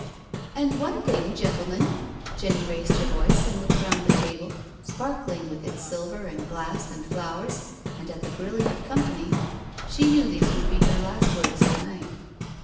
" And one thing, gentlemen,*' Jenny raised her voice and looked round the table, sparkling with its silver and glass and flowers, and at the brilliant company; she knew these would be her last words to night.